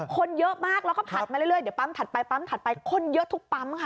คนเยอะมากเราก็ผัดมาเรื่อยเดี๋ยวปั๊มผัดไปคนเยอะทุกปั๊มค่ะ